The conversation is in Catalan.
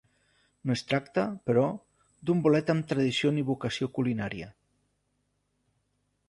No es tracta, però, d'un bolet amb tradició ni vocació culinària.